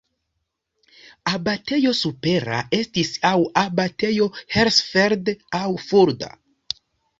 Abatejo supera estis aŭ Abatejo Hersfeld aŭ Fulda.